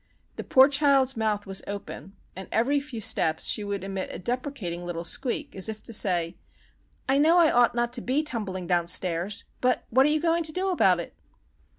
The poor child's mouth was open, and every few steps she would emit a deprecating little squeak, as if to say:— "_I know I ought not to be tumbling downstairs. But what are you going to do about it?